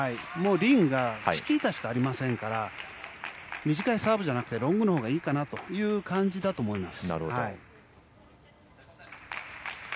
リンがチキータしかありませんから短いサーブじゃなくてロングのほうがいいかなという感じだと思います。